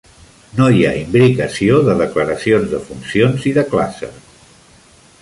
No hi ha imbricació de declaracions de funcions i de classe.